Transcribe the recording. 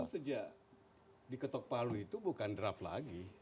sejak diketok palu itu bukan draft lagi